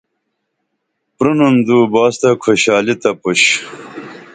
پرینُن دو باس تہ کھوشالی تہ پُش